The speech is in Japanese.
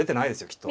きっと。